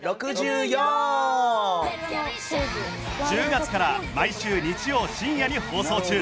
１０月から毎週日曜深夜に放送中。